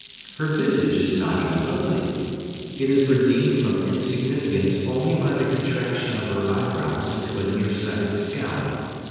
Her visage is not even ugly. It is redeemed from insignificance only by the contraction of her eyebrows into a near sighted scowl.